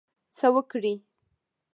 څه وکړی.